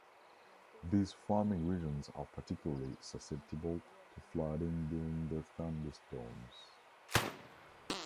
These farming regions are particularly susceptible to flooding during the thunderstorms.